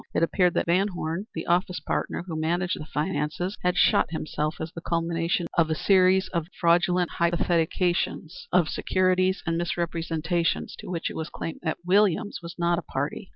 It appeared that Van Horne, the office partner, who managed the finances, had shot himself as the culmination of a series of fraudulent hypothecations of securities and misrepresentations to which it was claimed that Williams was not a party.